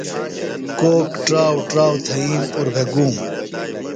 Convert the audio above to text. کوک ٹراؤ ٹراؤ تھئیم اُربھےۡ گُوم۔